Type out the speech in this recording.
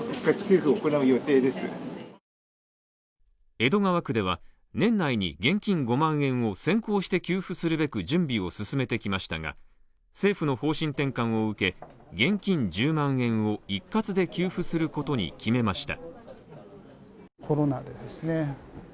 江戸川区では、年内に現金５万円を先行して給付するべく準備を進めてきましたが、政府の方針転換を受け、現金１０万円を一括で給付することに決めました。